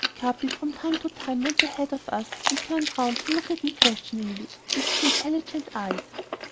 Capi, from time to time, went ahead of us and turned round to look at me questioningly with his intelligent eyes.